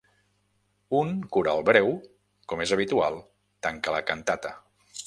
Un coral breu, com és habitual, tanca la cantata.